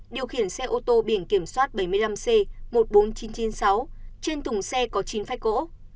điều khiển xe ô tô biển kiểm soát bảy mươi năm c một mươi bốn nghìn chín trăm chín mươi sáu trên thùng xe có chín phách gỗ